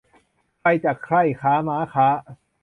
ใครจักใคร่ค้าม้าค้า